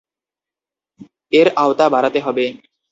এর আওতা বাড়াতে হবে।